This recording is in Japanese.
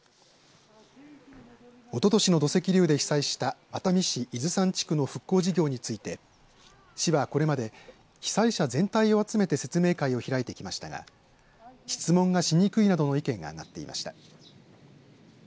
おととしの土石流で被災した熱海市伊豆山地区の復興事業について市はこれまで被災者全体を集めて説明会を開いてきましたが質問がしにくいなどの意見が上がっていました。